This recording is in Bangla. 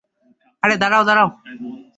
আরে, দাঁড়াও দাঁড়াও!